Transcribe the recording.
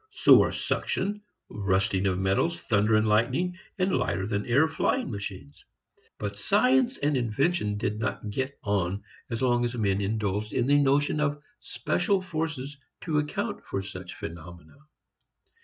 So are suction, rusting of metals, thunder and lightning and lighter than air flying machines. But science and invention did not get on as long as men indulged in the notion of special forces to account for such phenomena.